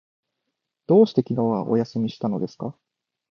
どうして昨日はお休みしたのですか？